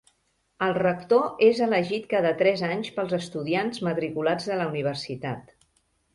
El rector és elegit cada tres anys pels estudiants matriculats de la universitat.